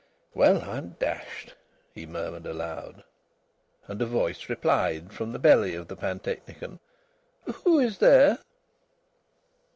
"Well, I'm dashed!" he murmured aloud. And a voice replied from the belly of the pantechnicon: "Who is there?"